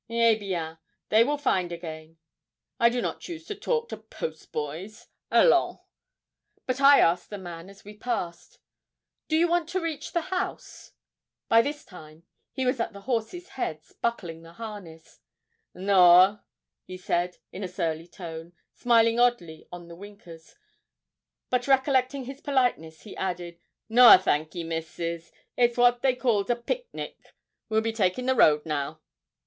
'Eh bien, they will find again. I do not choose to talk to post boys; allons!' But I asked the man as we passed, 'Do you want to reach the house?' By this time he was at the horses' heads, buckling the harness. 'Noa,' he said in a surly tone, smiling oddly on the winkers, but, recollecting his politeness, he added, 'Noa, thankee, misses, it's what they calls a picnic; we'll be takin' the road now.'